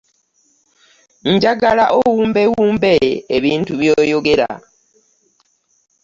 Njagala owumbewumbe ebintu byoyogera.